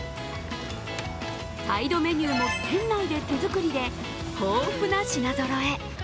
サイドメニューも店内で手作りで豊富な品ぞろえ。